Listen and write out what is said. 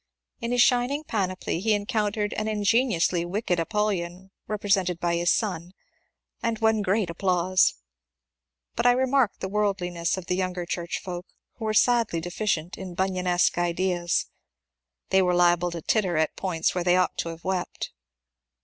In his shining panoply he encountered an ingen iously wicked ApoUyon represented by his son, and won great applause. But I remarked the worldliness of the younger churchfolk, who were sadly deficient in Bunyanesque ideas. They were liable to titter at points where they ought to have wept.